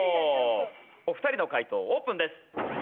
お二人の解答オープンです。